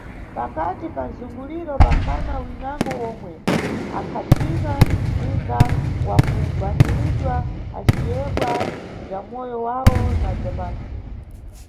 Pakati pa mzunguliro pakhana winango omwe akhabzina ninga wakugwaniridwa, aciyebwa bza moyo wawo na bza pantsi.